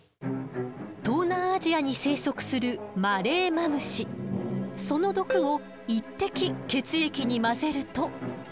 東南アジアに生息するその毒を１滴血液に混ぜると。